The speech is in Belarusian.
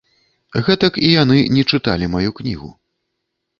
Гэтак і яны не чыталі маю кнігу.